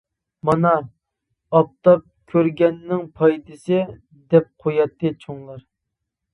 مانا، ئاپتاپ كۆرگەننىڭ پايدىسى، دەپ قوياتتى چوڭلار.